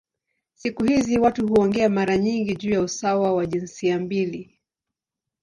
Siku hizi watu huongea mara nyingi juu ya usawa wa jinsia mbili.